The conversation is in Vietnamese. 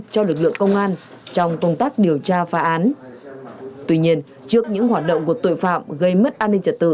cho lực lượng công an trong công tác điều tra phá án tuy nhiên trước những hoạt động của tội phạm gây mất an ninh trật tự